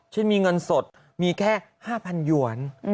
เช่นมีเงินสดมีแค่๕๐๐หยวน